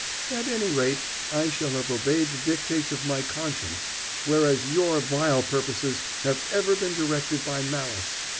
"At any rate, I shall have obeyed the dictates of my conscience, whereas your vile purposes have ever been directed by malice.